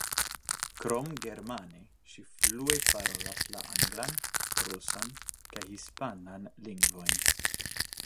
Krom germane, ŝi flue parolas la anglan, rusan kaj hispanan lingvojn.